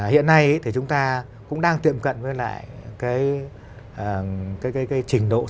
hiện nay thì chúng ta cũng đang tiệm cận với lại cái cái cái cái trình độ sản xuất